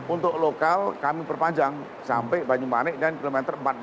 untuk lokal kami perpanjang sampai banyumane dan km empat ratus empat puluh dua